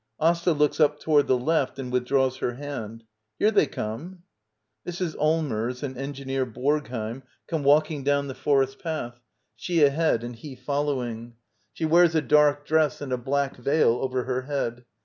AsTA. [Looks up toward the left and withdraws her hand.] Here they come. [Mrs. Allmers and Engineer Borgheim come 6i d by Google LITTLE EYOLF « Act ii. walking down the forest path, she ahead and he fol lowing. She wears a dark dress and a black veil over her head.